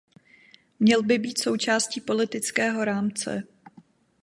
Měl by být součástí politického rámce.